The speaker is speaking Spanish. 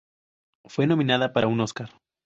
Fue nominada para un Oscar.